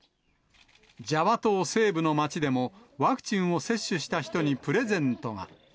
ジャワ島西部の町でも、ワクチンを接種した人にプレゼントが。